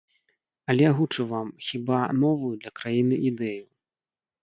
Але агучу вам, хіба, новую для краіны ідэю.